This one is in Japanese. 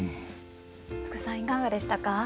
福さんいかがでしたか？